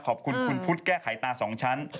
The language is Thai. ขอบคุณคุณพุทธแก้ไขตา๒ชั้น